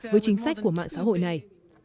với chính sách của mạng xã hội này